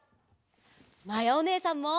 まやおねえさんも！